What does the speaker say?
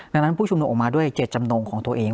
ดังนั้นผู้ชุมนุมออกมาด้วยเจตจำนงของตัวเอง